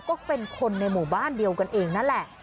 ก็เป็นคนในหมู่บ้านเดียวกันเองนั่นแหละ